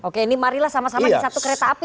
oke ini marilah sama sama di satu kereta api